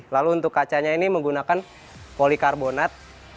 lalu untuk kacanya ini menggunakan polikarbonat